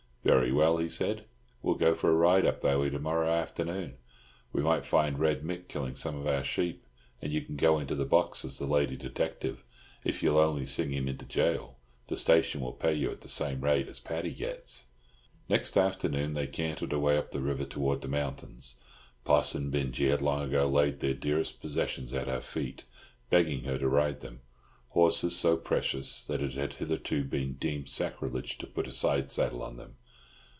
"Very well," he said. "We'll go for a ride up that way to morrow afternoon. We might find Red Mick killing some of our sheep, and you can go into the box as the lady detective. If you'll only sing him into gaol, the station will pay you at the same rate as Patti gets!" Next afternoon they cantered away up the river towards the mountains. Poss and Binjie had long ago laid their dearest possessions at her feet, begging her to ride them—horses so precious that it had hitherto been deemed sacrilege to put a side saddle on them.